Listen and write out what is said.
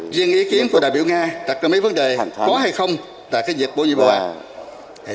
riêng ý kiến của đại biểu nga đặt ra mấy vấn đề có hay không tại cái việc bổ nhiệm bổ bạc